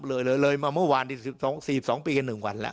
เลยมาเมื่อวาน๔๒ปีกัน๑วันละ